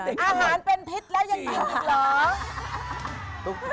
อาหารเป็นพิษแล้วยังยิ่งจริงเหรอ